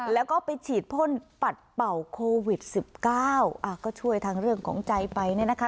แล้วก็ไปฉีดพ่นปัดเป่าโควิด๑๙ก็ช่วยทางเรื่องของใจไปเนี่ยนะคะ